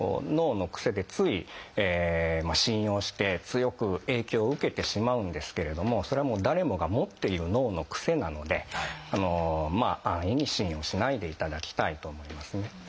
脳のクセでつい信用して強く影響を受けてしまうんですけれどもそれは誰もが持っている脳のクセなのでまあ安易に信用しないでいただきたいと思いますね。